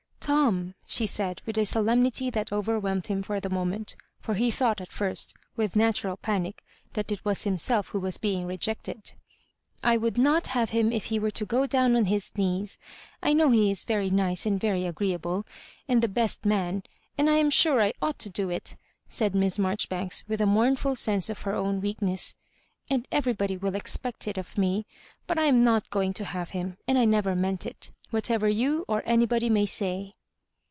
" Tom 1 " she said, with a solemnity that overwhelmed him for the moment, for he thought at first, with natural panic, that it was himself who was being rejected, " I would not have him if he were to go down on his knees. I know he is very nice and very agreeable, and the best man; and I am sure I ought to do it," said Miss Marjoribanks, with a mournful sense of her own weakness; "and everybody will ex pect it of me ; but I am not going to have him, Digitized by VjOOQIC 174 MISS MARJORIBANKSL and I never meant it, whatever you or anybody may say."